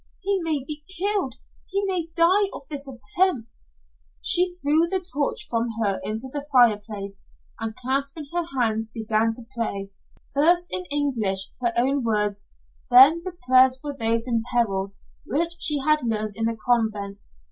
He may be killed. He may die of this attempt." She threw the torch from her into the fireplace, and clasping her hands began to pray, first in English her own words, then the prayers for those in peril which she had learned in the convent.